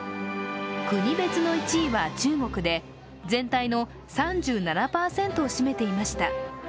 国別の１位は中国で全体の３７％を占めていました。